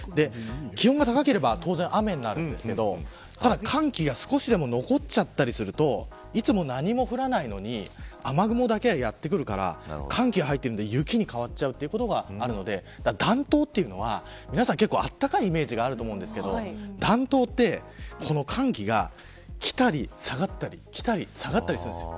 気温が高ければ当然雨になるんですけどただ、寒気が少しでも残ったりするといつも何も降らないのに雨雲だけはやってくるから寒気が入ってくるんで雪に変わることがあるので暖冬というのは、皆さん温かいイメージがあると思うんですけど暖冬って寒気がきたり下がったりきたり、下がったりするんです。